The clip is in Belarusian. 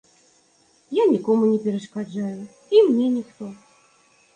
Я нікому не перашкаджаю, і мне ніхто.